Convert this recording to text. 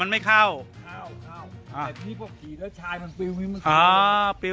มันไม่เข้าเข้าเข้าอ่าแต่ทีนี้พวกขี่แล้วชายมันปริ้วมัน